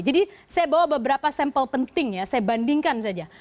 jadi saya bawa beberapa sampel penting ya saya bandingkan saja